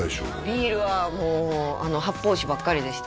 ビールはもう発泡酒ばっかりでしたね